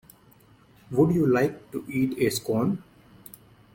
Would you like to eat a Scone?